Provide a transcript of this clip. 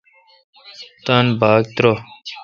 تان باگ ترو۔